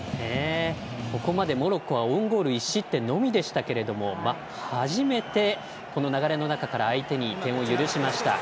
ここまでモロッコはオウンゴールの１失点のみでしたけど初めて流れの中から相手に点を許しました。